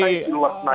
partai di luar senayan